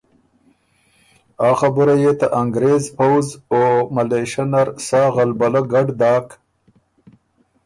آ خبُره يې ته انګرېز پؤځ او ملېشۀ نر سا غلبلۀ ګډ داک